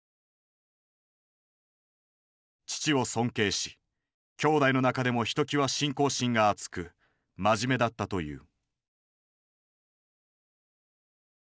父を尊敬しきょうだいの中でもひときわ信仰心があつく真面目だったという。